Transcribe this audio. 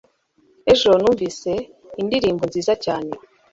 Ejo numvise indirimbo nziza cyane.